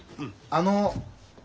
あの。